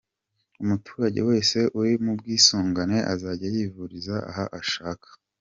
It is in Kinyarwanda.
Umuturage wese uri mubwisungane azajya yivuriza aho ashaka